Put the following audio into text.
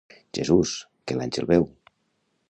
Jesús, que l'àngel beu!